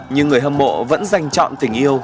nhưng người hâm mộ vẫn dành chọn tình yêu